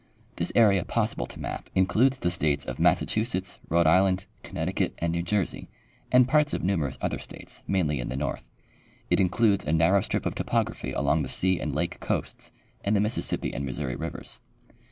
This area possible to map includes the states of Massachusetts, Rhode Island, Connecticut and New Jersey and parts of numer ous other states, mainly in the north. It includes a narrow strij) of topography along. the sea and lake coasts and the Mississippi and Missouri rivers.